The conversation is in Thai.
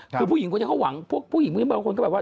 คือผู้หญิงก็จะเข้าหวังผู้หญิงบางคนก็แบบว่า